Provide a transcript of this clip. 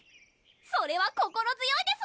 それは心強いです